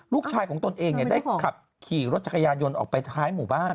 ลูกชายของตนเองได้ขับขี่รถจักรยานยนต์ออกไปท้ายหมู่บ้าน